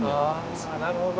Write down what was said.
あなるほど。